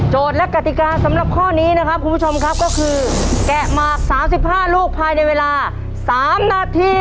และกติกาสำหรับข้อนี้นะครับคุณผู้ชมครับก็คือแกะหมาก๓๕ลูกภายในเวลา๓นาที